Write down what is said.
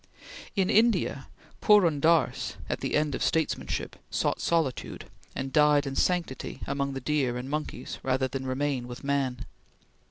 In India, Purun Dass, at the end of statesmanship, sought solitude, and died in sanctity among the deer and monkeys, rather than remain with man.